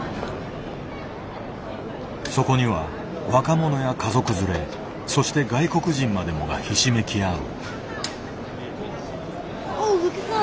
そこには若者や家族連れそして外国人までもがひしめき合う。